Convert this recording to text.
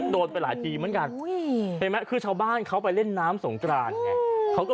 โดนไปหลายทีเหมือนกันเห็นไหมคือชาวบ้านเขาไปเล่นน้ำสงกรานไง